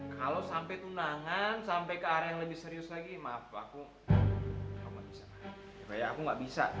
ke panasan ya nungguin aku ya